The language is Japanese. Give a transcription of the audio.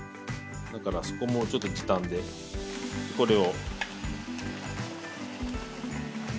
だからそこもちょっと時短でこれを。